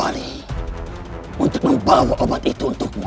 aku kepada penurutmu